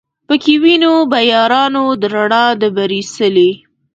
پکښی وینو به یارانو د رڼا د بري څلی